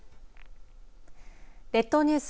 列島ニュース